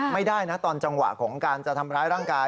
ไม่ได้นะตอนจังหวะของการจะทำร้ายร่างกาย